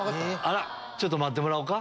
ちょっと待ってもらおうか。